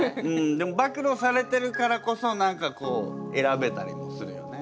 でも暴露されてるからこそ何かこう選べたりもするよね。